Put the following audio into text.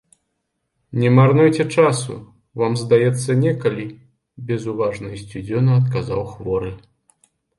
Не марнуйце часу: вам, здаецца, некалі, — безуважна і сцюдзёна адказаў хворы.